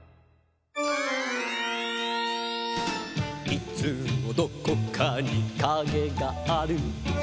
「いつもどこかにカゲがある」